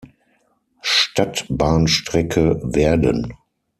Stadtbahnstrecke werden.